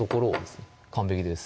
完璧です